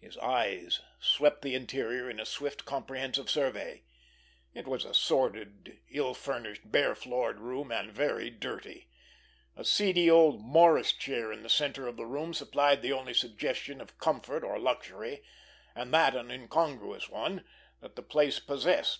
His eyes swept the interior in a swift, comprehensive survey. It was a sordid, ill furnished, bare floored room, and very dirty. A seedy old morris chair in the center of the room supplied the only suggestion of comfort or luxury, and that an incongruous one, that the place possessed.